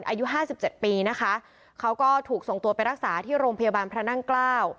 อายุห้าสิบเจ็ดปีนะคะเขาก็ถูกส่งตัวไปรักษาที่โรงพยาบาลพระนั่งเกล้า